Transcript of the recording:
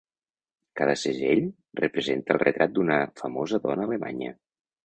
Cada segell representa el retrat d'una famosa dona alemanya.